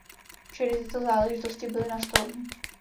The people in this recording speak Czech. Všechny tyto záležitosti byly nastoleny.